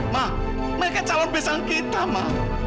ma mereka calon pesan kita ma